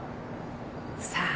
さあ。